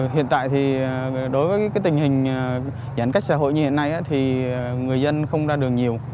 hiện tại thì đối với tình hình giãn cách xã hội như hiện nay thì người dân không ra đường nhiều